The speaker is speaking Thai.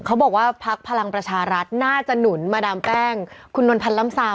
เขาบอกว่าพักพลังประชารัฐน่าจะหนุนมาดามแป้งคุณนวลพันธ์ล้ำซา